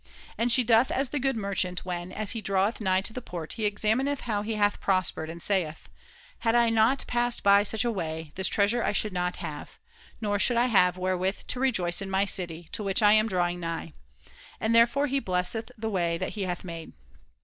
And she doth as the good merchant when, as he draweth nigh to the port, he examineth how he hath prospered, and saith :« Had I not passed by such a way, this treasure I should not have ; nor should I have wherewith to rejoice in my city to which I am drawing nigh '; and therefore he blesseth the way that he hath made.